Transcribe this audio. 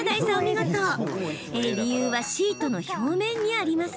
理由はシートの表面にあります。